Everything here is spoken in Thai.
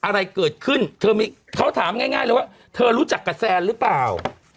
อะไรเกิดขึ้นเธอเขาถามง่ายเลยว่าเธอรู้จักกับแซนหรือเปล่า